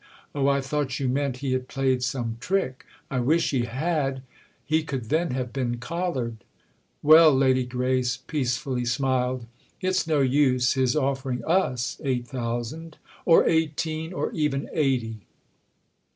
"Oh, I thought you meant he had played some trick!" "I wish he had—he could then have been collared." "Well," Lady Grace peacefully smiled, "it's no use his offering us eight thousand—or eighteen or even eighty!"